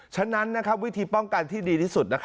ฉะนั้นวิธีป้องกันที่ดีที่สุด